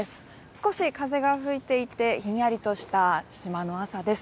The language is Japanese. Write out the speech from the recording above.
少し風が吹いていて、ひんやりとした島の朝です。